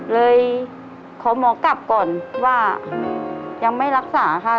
เลยขอหมอกลับก่อนว่ายังไม่รักษาค่ะ